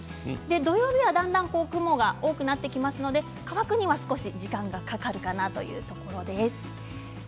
土曜日はだんだん雲が多くなってきますので乾くには少し時間がかかるかなというところですね。